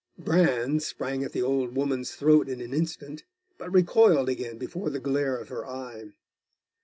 Bran sprang at the old woman's throat in an instant; but recoiled again before the glare of her eye.